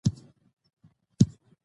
پښتو ژبه د یووالي ږغ دی.